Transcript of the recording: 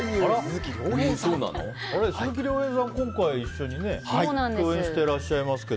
鈴木亮平さんは今回一緒に共演していらっしゃいますが。